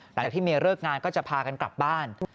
หลังจากที่เมียเลิกงานก็จะพากันกลับบ้าน